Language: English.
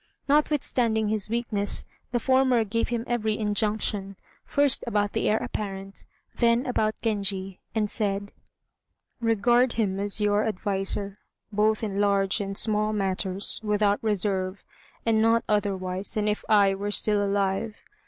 Notwithstanding his weakness, the former gave him every injunction, first about the Heir apparent, then about Genji, and said: "Regard him as your adviser, both in large and small matters, without reserve, and not otherwise than if I were still alive.